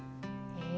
え？